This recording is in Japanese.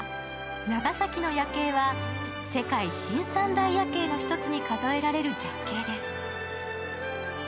長崎の夜景は世界新三大夜景の１つに数えられるほど絶景です。